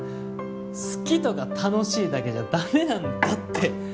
好きとか楽しいだけじゃダメなんだって。